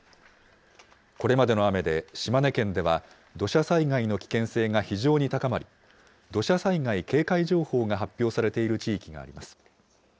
これまでの雨で島根県では土砂災害の危険性が非常に高まり、土砂災害警戒情報が発表されている地域があります。